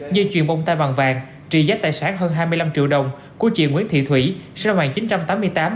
như chuồng bông tay bằng vàng trị giá tài sản hơn hai mươi năm triệu đồng của chị nguyễn thị thủy sinh năm một nghìn chín trăm tám mươi tám